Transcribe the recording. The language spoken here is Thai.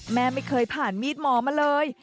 แม่ไม่เคยผ่านมีดหมอมาเลย